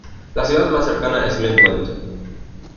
La ciudad más cercana es Midland.